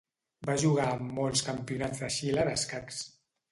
Va jugar en molts Campionats de Xile d'escacs.